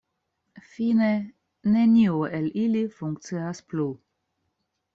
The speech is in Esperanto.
Fine, neniu el ili funkcias plu.